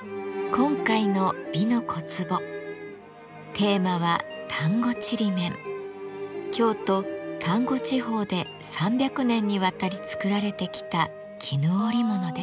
今回の「美の小壺」テーマは京都丹後地方で３００年にわたり作られてきた絹織物です。